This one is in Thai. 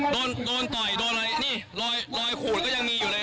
โดนโดนต่อยโดนอะไรนี่รอยขูดก็ยังมีอยู่เลย